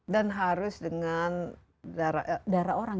dan harus dengan darah orang